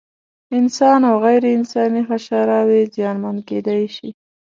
انسان او غیر انساني حشراوې زیانمن کېدای شي.